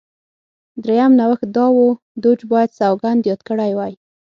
درېیم نوښت دا و دوج باید سوګند یاد کړی وای.